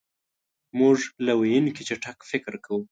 مونږ له ویونکي چټک فکر کوو.